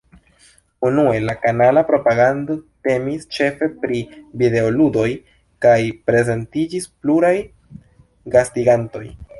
Unue, la kanala programado temis ĉefe pri videoludoj kaj prezentiĝis pluraj gastigantoj.